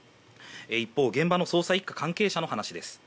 一方、現場の捜査１課の関係者の話です。